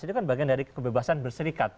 itu kan bagian dari kebebasan berserikat